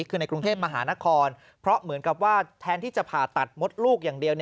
คือในกรุงเทพมหานครเพราะเหมือนกับว่าแทนที่จะผ่าตัดมดลูกอย่างเดียว